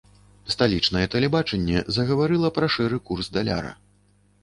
Сталічнае тэлебачанне загаварыла пра шэры курс даляра.